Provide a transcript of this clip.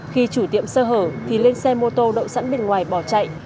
khi chủ tiệm sơ hở thì lên xe mô tô đậu sẵn bên ngoài bỏ chạy